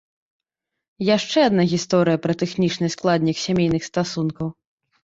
Яшчэ адна гісторыя пра тэхнічны складнік сямейных стасункаў.